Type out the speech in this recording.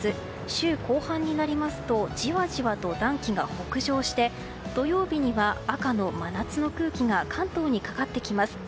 週後半になりますとじわじわと暖気が北上して土曜日には赤の真夏の空気が関東にかかってきます。